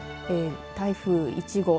台風１号。